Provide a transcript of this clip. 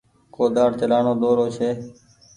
ڪوۮآڙ چلآڻو ڏورو ڇي۔